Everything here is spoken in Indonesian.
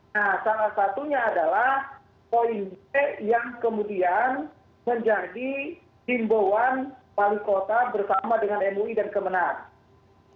nah salah satunya adalah poin b yang kemudian menjadi himbauan wali kota bersama dengan mui dan kemenang